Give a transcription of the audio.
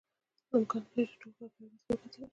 امکان نه لري چې ټول ښار په یوه ورځ کې وکتل شي.